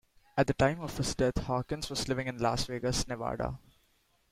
At the time of his death Hawkins was living in Las Vegas, Nevada.